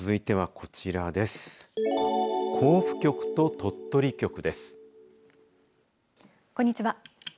こんにちは。